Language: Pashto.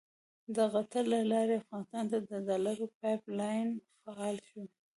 د قطر له لارې افغانستان ته د ډالرو پایپ لاین فعال شو.